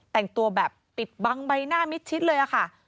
แต่งตัวแบบปิดบังใบหน้ามิดชิดเลยค่ะ